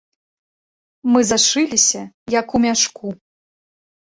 Мы зашыліся, як у мяшку.